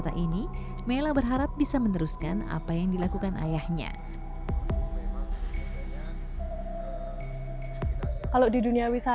semuanya serahkan sama yang maha kuasa